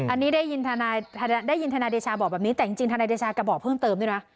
อันนี้ได้ยินทนายเดชาบอกแบบนี้แต่จริงทนายเดชากระบอกเพิ่มเติมด้วยนะ